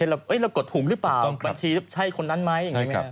แล้วกดถุงหรือเปล่าบัญชีใช่คนนั้นไหม